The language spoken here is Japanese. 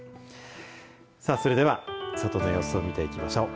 さあ、それでは外の様子を見ていきましょう。